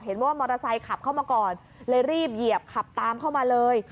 ว่ามอเตอร์ไซคับเข้ามาก่อนเลยรีบเหยียบขับตามเข้ามาเลย